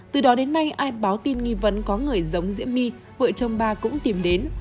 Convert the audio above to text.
từ đó đến nay ai báo tin nghi vấn có người giống diễm my vợ chồng ba cũng tìm đến